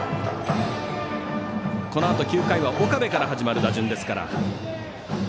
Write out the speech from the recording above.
このあと９回は岡部から始まる打順ですから。